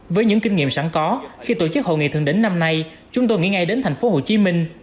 với những kinh nghiệm sẵn có khi tổ chức hội nghị thượng đỉnh năm nay chúng tôi nghĩ ngay đến thành phố hồ chí minh